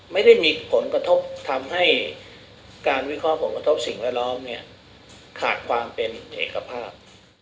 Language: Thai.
ไม่ได้มีผลกระทบทำให้การวิเคราะห์ผลกระทบสิ่งแวดล้อมเนี่ยขาดความเป็นเอกภาพ